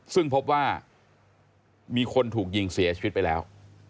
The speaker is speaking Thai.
ซึ่งพบว่ามีคนถูกยิงเสียชีวิตไปแล้ว